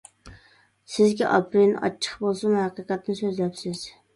سىزگە ئاپىرىن، ئاچچىق بولسىمۇ ھەقىقەتنى سۆزلەپسىز.